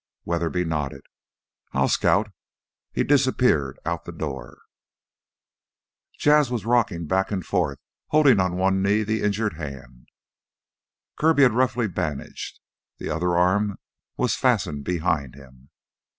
Weatherby nodded. "I'll scout." He disappeared out the door. Jas' was rocking back and forth, holding on one knee the injured hand Kirby had roughly bandaged; his other arm was fastened behind him.